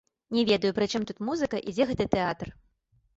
Не ведаю, пры чым тут музыка і дзе гэты тэатр.